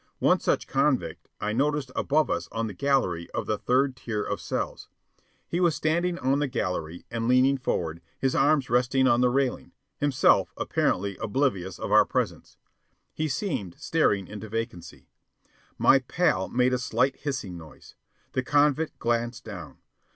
One such convict I noticed above us on the gallery of the third tier of cells. He was standing on the gallery and leaning forward, his arms resting on the railing, himself apparently oblivious of our presence. He seemed staring into vacancy. My pal made a slight hissing noise. The convict glanced down.